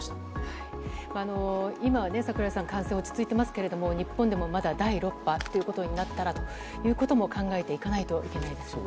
今は、櫻井さん、感染は落ち着いてますけど、日本でもまだ第６波ということになったらということも考えていかないといけないでしょうね。